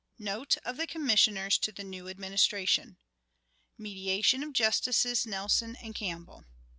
Note of the Commissioners to the New Administration. Mediation of Justices Nelson and Campbell.